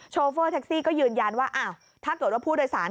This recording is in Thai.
โชเฟอร์แท็กซี่ก็ยืนยันว่าถ้าเกิดว่าพูดโดยสาร